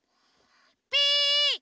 ピ！